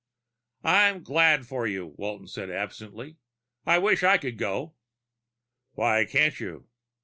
"I'm glad for you," Walton said absently. "I wish I could go." "Why can't you?"